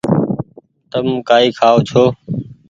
تم ڪآئي کآئو ڇو۔